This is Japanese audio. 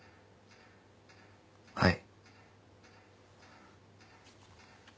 はい。